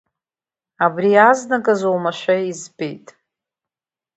Абри азныказы оумашәа избеит.